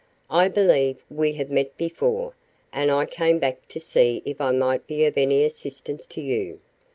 "I believe we have met before, and I came back to see if I might be of any assistance to you.